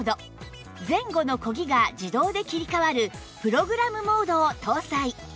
前後の漕ぎが自動で切り替わるプログラムモードを搭載